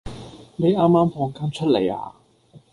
你啱啱放監出嚟呀？